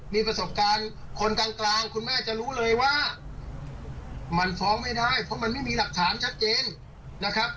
มีประสบการณ์คนกลางคุณแม่จะรู้เลยว่ามันฟ้องไม่ได้เพราะมันไม่มีหลักฐานชัดเจนนะครับ